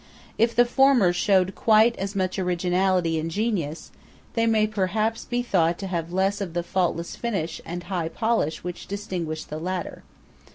If the former showed quite as much originality and genius, they may perhaps be thought to have less of the faultless finish and high polish which distinguish the latter.